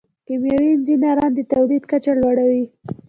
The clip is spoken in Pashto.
کیمیاوي انجینران د تولید کچه لوړوي.